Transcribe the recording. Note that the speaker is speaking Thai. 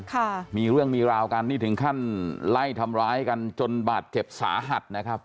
ค่ะมีเรื่องมีราวกันนี่ถึงขั้นไล่ทำร้ายกันจนบาดเจ็บสาหัสนะครับ